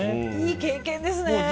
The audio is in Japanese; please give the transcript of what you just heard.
いい経験ですね！